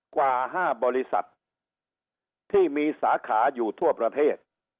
กว่า๕บริษัทที่มีสาขาอยู่ทั่วประเทศ